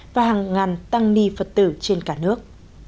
và hàng ngàn tăng ni phật tử trên cả nước